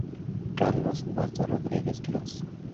Carlos Humberto Rodríguez Quirós.